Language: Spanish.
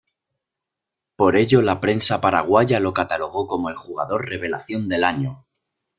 Por ello, la prensa paraguaya lo catalogó como el jugador revelación del año.